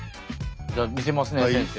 じゃあ見せますね先生。